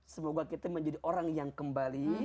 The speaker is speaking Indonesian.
semoga kita menjadi orang yang kembali